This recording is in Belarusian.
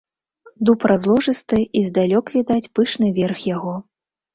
Дуб разложысты, і здалёк відаць пышны верх яго.